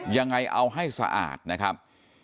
ยังไงเอาให้สะอาดนะครับ